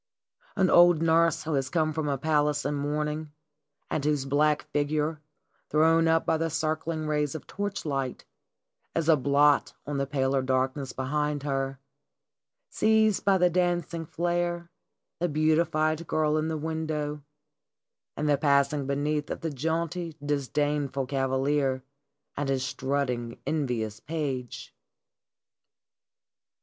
An old nurse who has come from a palace in mourning, and whose black figure, thrown up by the circling rays of torchlight, is a blot on the paler darkness behind her, sees by the dancing flare the beatified girl in the window and the passing beneath of the jaunty, dis dainful cavalier and his strutting, envious page.